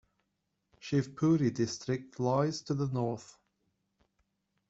Shivpuri District lies to the north.